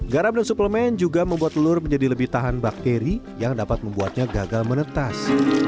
garam dan suplemen juga membuat telur menjadi lebih tahan bakteri yang dapat membuatnya gagal menetas